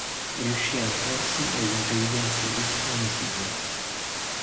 Riuscì ad imporsi nell'intellighenzia russa in esilio.